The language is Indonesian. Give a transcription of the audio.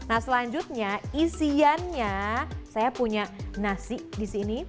nah selanjutnya isiannya saya punya nasi di sini